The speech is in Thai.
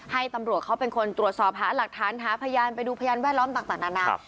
ให้ตำรวจเขาเป็นคนตรวจสอบหาหลักฐานหาพยานไปดูพยานแวดล้อมต่างนานา